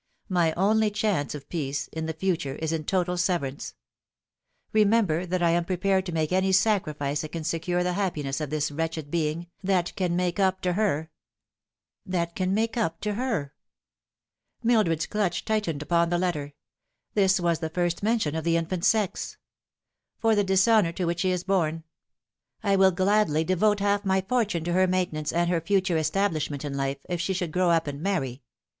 My only chance of peace iu the future is in total severance. Kemember that I am prepared to make any sacrifice that can secure the happiness of this wretched being, that can make up to hfci "" That can make up to her .'" Mildred's clutch tightened upon the letter. This was the first mention of the infant's sex. " For the dishonour to which she is born. I will gladly devote half my fortune to her maintenance and her future es tablishment in life, if she should grow up and marry.